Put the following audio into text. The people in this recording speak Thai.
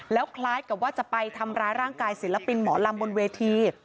แล้วคล้ายกับว่าจะไปทำร้ายร่างกายศิลปินหมอลำบนเวที